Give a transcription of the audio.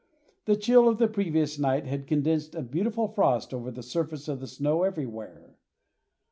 The chill of the previous night had condensed a beautiful frost over the surface of the snow everywhere.